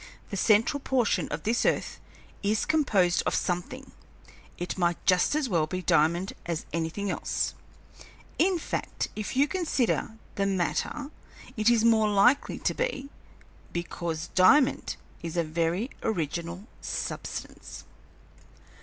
The central portion of this earth is composed of something; it might just as well be diamond as anything else. In fact, if you consider the matter, it is more likely to be, because diamond is a very original substance.